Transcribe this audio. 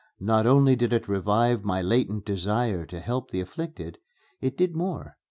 Not only did it revive my latent desire to help the afflicted; it did more.